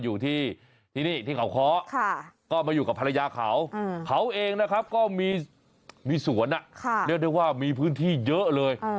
อยู่ที่นี่ที่เขาเคาะก็มาอยู่กับภรรยาเขาเขาเองนะครับก็มีสวนเรียกได้ว่ามีพื้นที่เยอะเลย